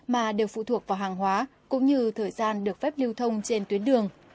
mà đều phụ thuộc vào hàng hóa cũng như thời gian được phép lưu thông trên tuyến đường